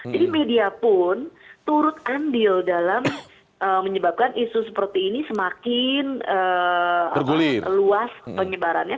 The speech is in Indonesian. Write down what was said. jadi media pun turut andil dalam menyebabkan isu seperti ini semakin luas penyebarannya